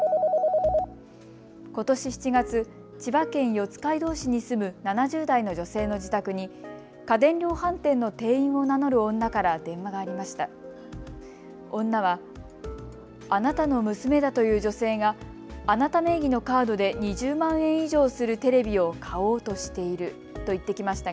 ことし７月、千葉県四街道市に住む７０代の女性の自宅に家電量販店の店員を名乗る女から電話がありました。